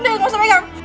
udah gak usah pegang